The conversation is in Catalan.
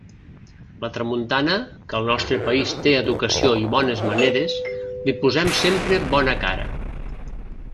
La tramuntana, que al nostre país té educació i bones maneres, li posem sempre bona cara.